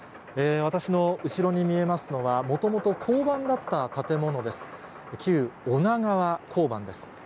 私の後ろに見えますのは、もともと交番だった建物です。